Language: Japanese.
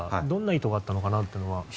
どんな意図があったのかなというのは。